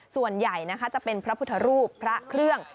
ส่วนใหญ่นะคะจะเป็นพระพุทธรูปพระเครื่อง